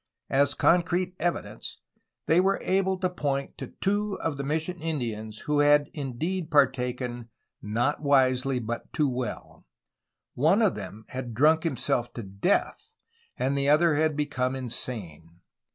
As concrete evidence they were able to point to two of the mission Indians who had indeed partaken "not wisely but too well"; one of them had drunk himself to death, and the other had become in sane.